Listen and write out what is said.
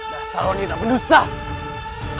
dasar wanita penuh setahan